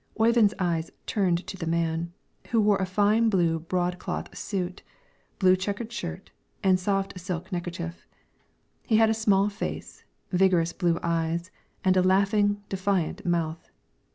Oyvind's eyes turned to the man, who wore a fine blue broadcloth suit, blue checked shirt, and a soft silk neckerchief; he had a small face, vigorous blue eyes, a laughing, defiant mouth.